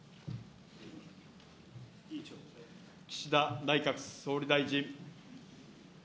岸田内閣総理大臣。